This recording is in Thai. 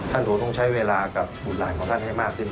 คงต้องใช้เวลากับบุตรหลานของท่านให้มากขึ้น